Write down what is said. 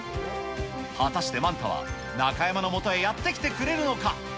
果たしてマンタは、中山のもとへやって来てくれるのか。